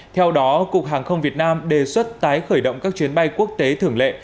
theo đó cục hàng không việt nam đề xuất tái khởi động các chuyến bay quốc tế thường lệ